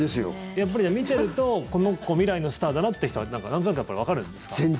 やっぱり見てると、この子未来のスターだなって人はなんとなくやっぱり、わかるんですか？